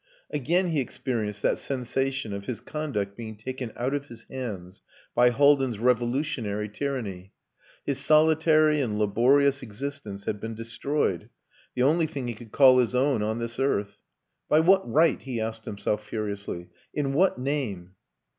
Again he experienced that sensation of his conduct being taken out of his hands by Haldin's revolutionary tyranny. His solitary and laborious existence had been destroyed the only thing he could call his own on this earth. By what right? he asked himself furiously. In what name?